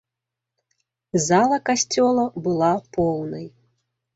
Зала касцёла была поўнай.